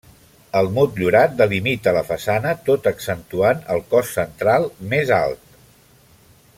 El motllurat delimita la façana, tot accentuant el cos central més alt.